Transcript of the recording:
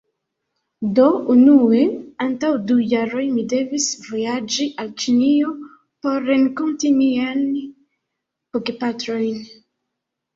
Do unue, antaŭ du jaroj, mi devis vojaĝi al Ĉinio por renkonti miajn bogepatrojn.